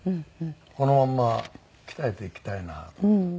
このまんま鍛えていきたいなと。